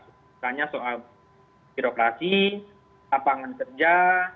misalnya soal birokrasi lapangan kerja